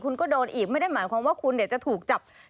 คุณก็โดนอีกไม่ได้หมายความว่าคุณจะถูกจับ